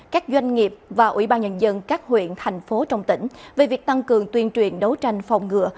các doanh nghiệp và ủy ban nhân dân các huyện thành phố trong tỉnh về việc tăng cường tuyên truyền đấu tranh phòng ngựa